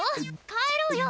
帰ろうよ